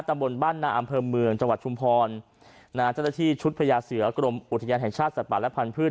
ตำบลบ้านนาอำเภอเมืองจังหวัดชุมพรนะฮะเจ้าหน้าที่ชุดพญาเสือกรมอุทยานแห่งชาติสัตว์ป่าและพันธุ์